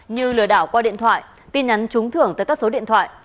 như lừa đảo qua điện thoại tin nhắn trúng thưởng tới các số điện thoại